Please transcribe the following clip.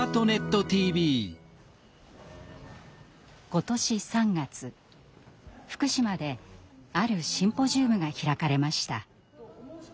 今年３月福島であるシンポジウムが開かれました。